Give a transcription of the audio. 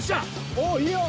おっいいよ。